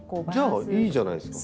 じゃあいいじゃないですか。